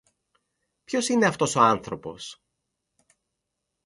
Ποιος είναι αυτός ο άνθρωπος;